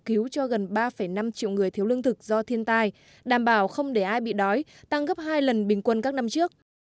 cứu cho gần ba năm triệu người thiếu lương thực do thiên tai đảm bảo không để ai bị đói tăng gấp hai lần bình quân các năm trước